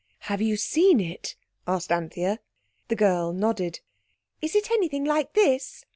"Have you seen it?" asked Anthea. The girl nodded. "Is it anything like this?"